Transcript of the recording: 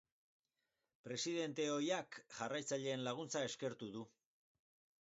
Presidente ohiak jarraitzaileen laguntza eskertu du.